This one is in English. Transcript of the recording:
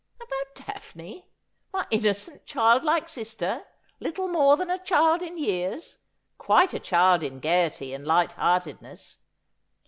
' About Daphne, my innocent child like sister, little more than a child in years, quite a child in gaiety and light hearted ness